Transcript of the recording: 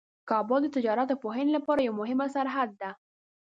کابل د تجارت او پوهنې لپاره یوه مهمه سرحد ده.